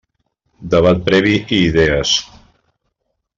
Debat previ i idees.